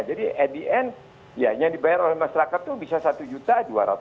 jadi at the end ya yang dibayar oleh masyarakat itu bisa satu juta dua ratus lima puluh